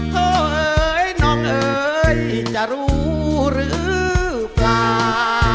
เฮ้ยน้องเอ๋ยจะรู้หรือเปล่า